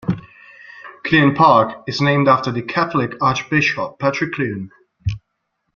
Clune Park is named after the Catholic Archbishop Patrick Clune.